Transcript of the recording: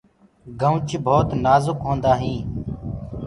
گنوُچ ڀوت نآجُڪ هوندآ هينٚ۔